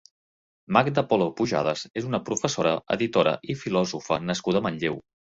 Magda Polo Pujadas és una professora, editora i filòsofa nascuda a Manlleu.